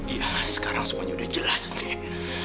ya sekarang semuanya udah jelas nih